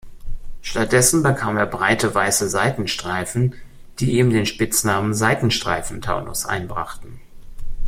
Stattdessen bekam er breite weiße Seitenstreifen, die ihm den Spitznamen „Seitenstreifen-Taunus“ einbrachten.